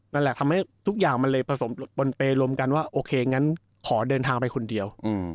นั่นแหละทำให้ทุกอย่างมันเลยผสมปนเปรมกันว่าโอเคงั้นขอเดินทางไปคนเดียว